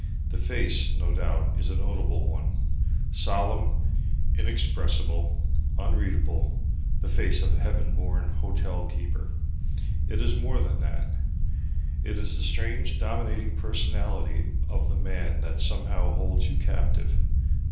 The face, no doubt, is a notable one, solemn, inexpressible, unreadable, the face of the heaven born hotel keeper. It is more than that. It is the strange dominating personality of the man that somehow holds you captive.